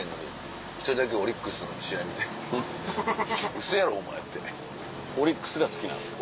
「ウソやろお前」って。オリックスが好きなんですか。